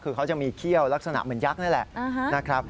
คือเขาจะมีเขี้ยวลักษณะเหมือนยักษ์นี่แหละนะครับ